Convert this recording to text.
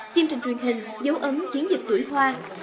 chương trình truyền hình dấu ấn chiến dịch gửi hoa